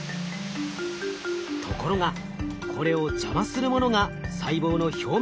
ところがこれを邪魔するものが細胞の表面にあります。